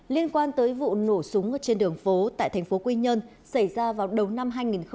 liên quan tới vụ nổ súng trên đường phố tại tp quy nhơn xảy ra vào đầu năm hai nghìn hai mươi ba